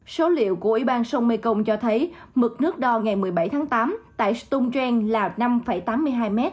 số liệu của ủy ban sông mekong cho thấy mực nước đo ngày một mươi bảy tháng tám tại stong tren là năm tám mươi hai m